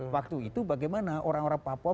waktu itu bagaimana orang orang papua